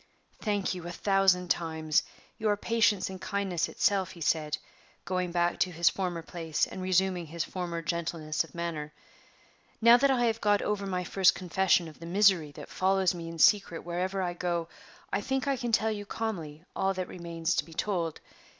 "Thank you a thousand times. You are patience and kindness itself," he said, going back to his former place and resuming his former gentleness of manner. "Now that I have got over my first confession of the misery that follows me in secret wherever I go, I think I can tell you calmly all that remains to be told.